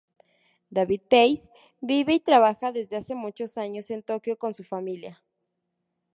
David Peace vive y trabaja desde hace muchos años en Tokio con su familia.